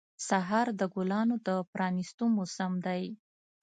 سهار د ګلانو د پرانیستو موسم دی.